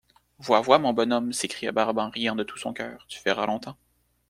Vois, vois, mon bonhomme, s'écria Barbe en riant de tout son coeur, tu verras longtemps.